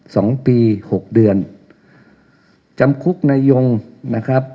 สองปีหกเดือนจำคุกนายงนะครับ